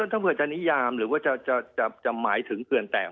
ถ้าเผื่อจะนิยามหรือว่าจะหมายถึงเกือนแตก